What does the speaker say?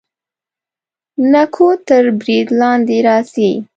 نکو تر برید لاندې راځي.